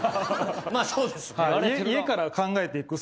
まあそうですね。